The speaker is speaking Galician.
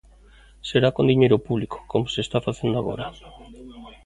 Será con diñeiro público, como se está facendo agora.